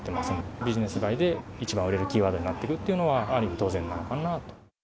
ビジネス街で一番売れるキーワードになってるというのは、ある意味当然なのかなと。